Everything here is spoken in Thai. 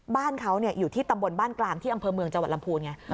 บ้านเขาอยู่ที่ตำบลบ้านกลางที่อำเภอเมืองจังหวัดลำพูนไง